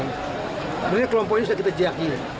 sebenarnya kelompok ini sudah kita jaki